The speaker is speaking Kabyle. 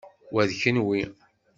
Wa, kenwi.